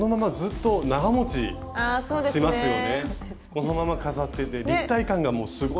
このまま飾ってて立体感がもうすごいですから。